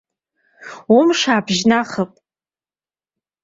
Умш аабыжьнахп.